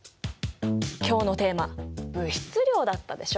今日のテーマ「物質量」だったでしょ？